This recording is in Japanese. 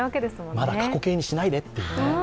まだ過去形にしないでっていうね。